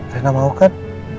rena mau kan